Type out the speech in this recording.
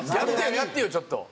やってよちょっと。